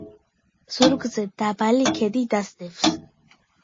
ზურგზე დაბალი ქედი გასდევს.